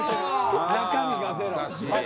中身がゼロ。